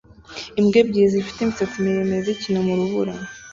Imbwa ebyiri zifite imisatsi miremire zikina mu rubura